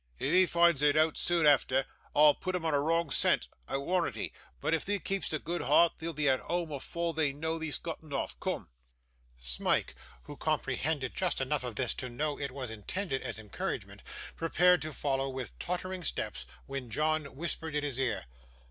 If he foinds it oot, soon efther, I'll put 'un on a wrong scent, I warrant 'ee. But if thee keep'st a good hart, thee'lt be at whoam afore they know thee'st gotten off. Coom!' Smike, who comprehended just enough of this to know it was intended as encouragement, prepared to follow with tottering steps, when John whispered in his ear.